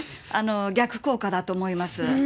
逆効果だと思います。